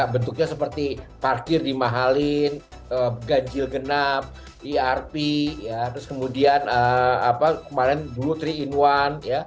bentuknya seperti parkir dimahalin ganjil genap irp terus kemudian kemarin dulu tiga in satu